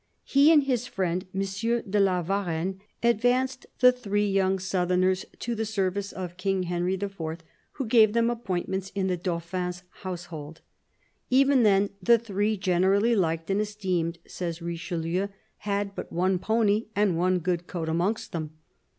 He and his friend M. de la Varenne advanced the three young southerners to the service of King Henry IV., who gave them appointments in the Dauphin's house hold. Even then the three, generally liked and esteemed, says Richelieu, had but one pony and one good coat amongst them.